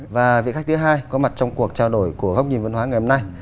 và vị khách thứ hai có mặt trong cuộc trao đổi của góc nhìn văn hóa ngày hôm nay